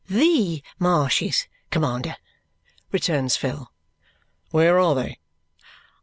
"THE marshes, commander," returns Phil. "Where are they?"